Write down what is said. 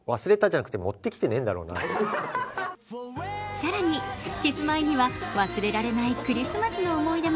更に、キスマイには忘れられないクリスマスの思い出も。